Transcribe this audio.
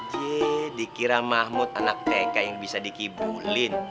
jadi kira mahmud anak tk yang bisa dikibulin